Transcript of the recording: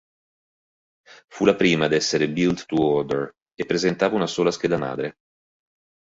Fu la prima ad essere Built-to-Order e presentava una sola scheda madre.